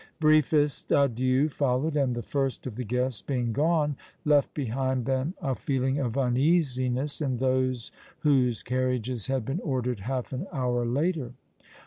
Briefest adieux followed, and the first of the guests being gone, left behind them a feeling of uneasiness in those whose carriages had been ordered half an hour later.